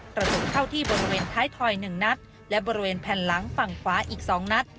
กระสุนเข้าที่บริเวณท้ายถอย๑นัดและบริเวณแผ่นหลังฝั่งขวาอีก๒นัด